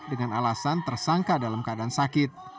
dengan alasan tersangka dalam keadaan sakit